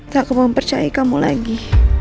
tak mau mempercayai kamu lagi